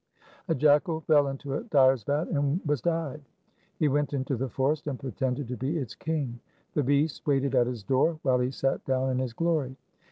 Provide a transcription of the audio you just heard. A jackal fell into a dyer's vat and was dyed. He went into the forest and pretended to be its king. The beasts waited at his door while he sat down in his glory.